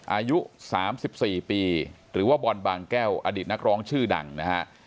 อายุสามสิบสี่ปีหรือว่าบอลบางแก้วอดิษฐ์นักร้องชื่อดังนะฮะ